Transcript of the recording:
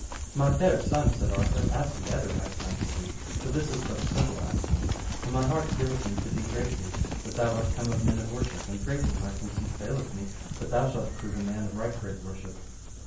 My fair son, said Arthur, ask better, I counsel thee, for this is but a simple asking; for my heart giveth me to thee greatly, that thou art come of men of worship, and greatly my conceit faileth me but thou shalt prove a man of right great worship.